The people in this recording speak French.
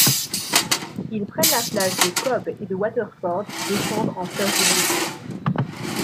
Ils prennent la place de Cobh et de Waterford qui descendent en First Division.